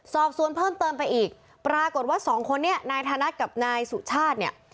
สอบสวนเพิ่มเติมไปอีกปรากฏว่าสองคนนี้นายธนัดกับนายสุชาติเนี่ย